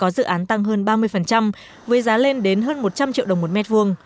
dự án tăng hơn ba mươi với giá lên đến hơn một trăm linh triệu đồng một mét vuông